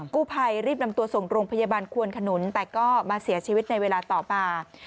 กู้ภัยรีบนำตัวส่งโรงพยาบาลควนขนุนแต่ก็มาเสียชีวิตในเวลาต่อมา